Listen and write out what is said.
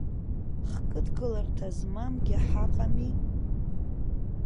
Хкыдкыларҭа змамгьы ҳаҟами.